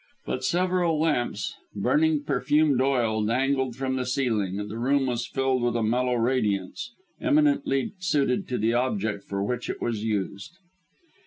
But several lamps, burning perfumed oil, dangled from the ceiling, and the room was filled with a mellow radiance, eminently suited to the object for which it was used.